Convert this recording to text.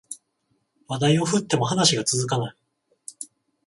話題を振っても話が続かない